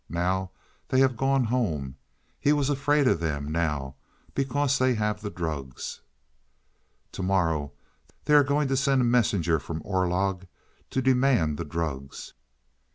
Now they have gone home. He was afraid of them now because they have the drugs." "To morrow they are going to send a messenger from Orlog to demand the drugs?"